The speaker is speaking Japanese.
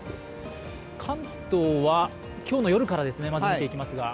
関東は、今日の夜からですね、見ていきます。